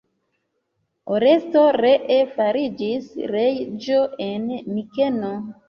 Oresto ree fariĝis reĝo en Mikeno.